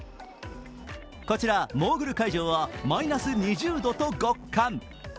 こちら、モーグル会場はマイナス２０度と極寒。